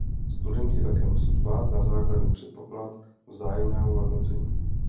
Studenti také musí dbát na základní předpoklad vzájemného hodnocení.